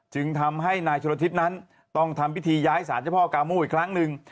จึงทำให้นายชนทิศนั้นต้องทำพิธีย้ายสารเจ้าพ่อกาโม่อีกครั้งหนึ่ง